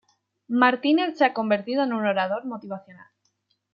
Martínez se ha convertido en un orador motivacional.